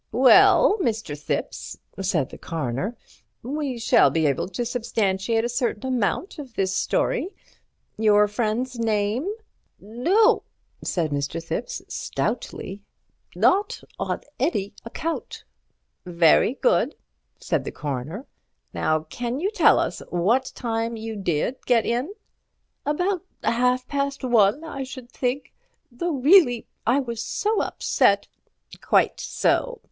"Well, Mr. Thipps," said the Coroner, "we shall be able to substantiate a certain amount of this story. Your friend's name—" "No," said Mr. Thipps, stoutly, "not on any account." "Very good," said the Coroner. "Now, can you tell us what time you did get in?" "About half past one, I should think. Though reelly, I was so upset—" "Quite so.